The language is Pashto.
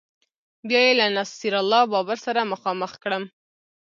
بیا یې له نصیر الله بابر سره مخامخ کړم